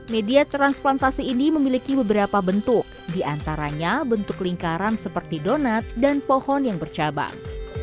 media transplantasi ini memiliki beberapa bentuk diantaranya bentuk lingkaran seperti donat dan pohon yang bercabang